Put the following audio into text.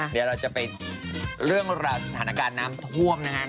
เดี๋ยวเราจะไปเรื่องราวสถานการณ์น้ำท่วมนะครับ